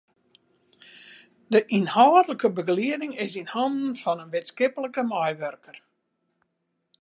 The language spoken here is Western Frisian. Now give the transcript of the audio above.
De ynhâldlike begelieding is yn hannen fan in wittenskiplik meiwurker.